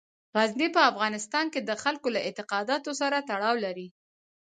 غزني په افغانستان کې د خلکو له اعتقاداتو سره تړاو لري.